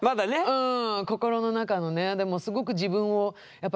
うん。